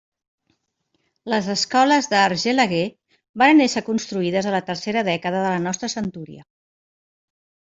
Les escoles d'Argelaguer varen ésser construïdes a la tercera dècada de la nostra centúria.